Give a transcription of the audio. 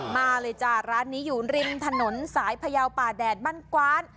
มาเลยจ้าร้านนี้อยู่ริมถนนสายพยาวป่าแดดบ้านกว้าน